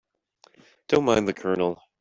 Don't mind the Colonel.